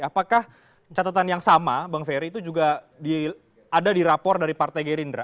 apakah catatan yang sama bang ferry itu juga ada di rapor dari partai gerindra